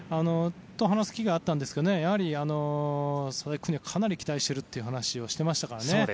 話す機会があったんですがやはり、佐々木君にはかなり期待していると話していましたから。